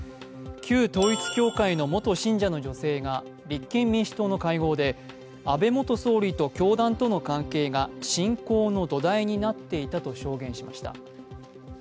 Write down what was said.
旧統一教会の元信者の女性が立憲民主党の会合で安倍元総理と教団との関係が信仰の土台になっていたと証言しました。